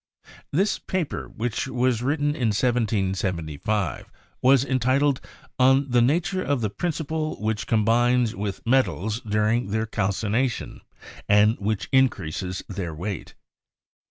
This paper, which was written in 1775, was entitled "On the Nature of the Principle which combines with Metals during their Calcination, and which increases their Weight."